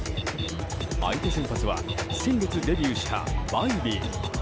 相手先発は先月デビューしたバイビー。